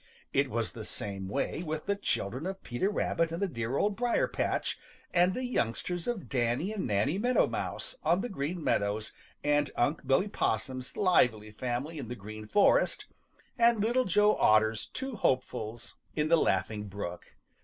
It was the same way with the children of Peter Rabbit in the dear Old Briar patch and the youngsters of Danny and Nanny Meadow Mouse on the Green Meadows and Une' Billy Possum's lively family in the Green Forest and little Joe Otter's two hopefuls in the Laughing Brook.